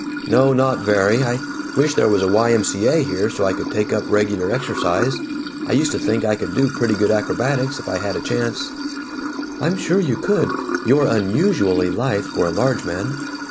"No, not very. I wish there was a Y. M. C. A. here, so I could take up regular exercise. I used to think I could do pretty good acrobatics, if I had a chance." "I'm sure you could. You're unusually lithe, for a large man."